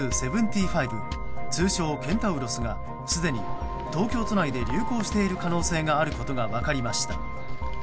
通称ケンタウロスがすでに東京都内で流行している可能性があることが分かりました。